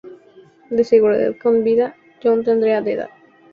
De seguir con vida, John tendría de edad.